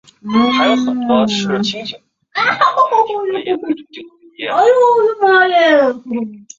游戏同样也对众多游戏从业者产生了巨大影响。